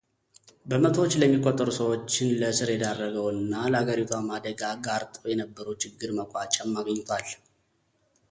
በመቶዎች ለሚቆጠሩ ሰዎችን ለእስር የዳረገው እና ለአገሪቷም አደጋ ጋርጦ የነበረው ችግር መቋጫም አግኝቷል።